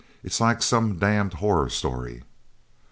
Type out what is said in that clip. "It's like some damned horror story."